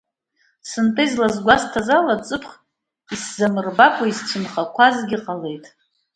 Сынтәа излагәасҭаз ала, ҵыԥх исзамырбакәа исцәаанхақәазгьы ҟалеит.